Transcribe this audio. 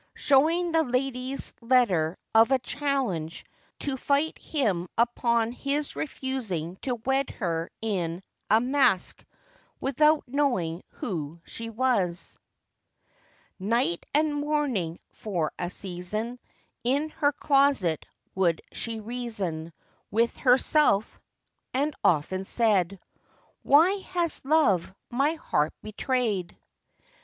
SHOWING THE LADY'S LETTER OF A CHALLENGE TO FIGHT HIM UPON HIS REFUSING TO WED HER IN A MASK, WITHOUT KNOWING WHO SHE WAS. Night and morning, for a season, In her closet would she reason With herself, and often said, 'Why has love my heart betrayed?